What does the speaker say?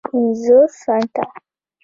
پینځوس سنټه